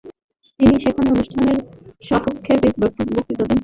তিনি সেখানে অনুষ্ঠানের সপক্ষে বক্তৃতা করেন।